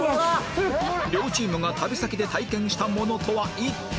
両チームが旅先で体験したものとは一体？